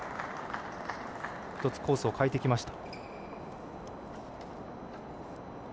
１つコースを変えてきました。